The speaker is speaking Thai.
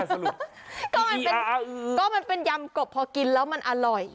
ก็มันเป็นก็มันเป็นยำกบพอกินแล้วมันอร่อย